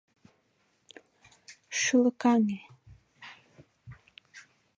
Шӱлыкаҥе.